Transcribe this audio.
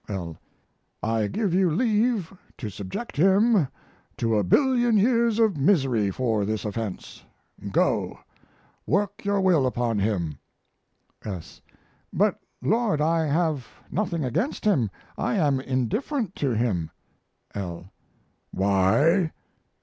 L. I give you leave to subject him to a billion years of misery for this offense. Go! Work your will upon him. S. But, Lord, I have nothing against him; I am indifferent to him. L. Why?